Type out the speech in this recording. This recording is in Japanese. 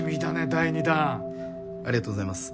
第２弾。ははっありがとうございます。